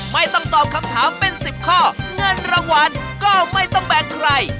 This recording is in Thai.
ไม่ต้องตอบคำถามเป็น๑๐ข้อเงินรางวัลก็ไม่ต้องแบ่งใคร